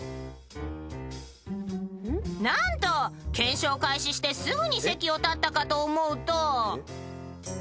［何と検証開始してすぐに席を立ったかと思うと］